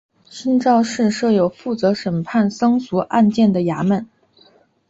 新召庙设有负责审判僧俗案件的衙门。